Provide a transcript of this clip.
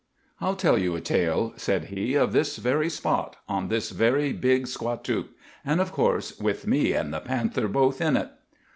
"I'll tell you a tale," said he, "of this very spot, on this very Big Squatook; and, of course, with me and the panther both in it.